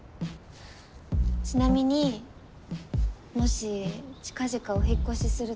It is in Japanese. ちなみにもし近々お引っ越しするとして。